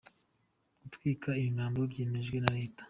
Gutwika imirambo byemejwe na leta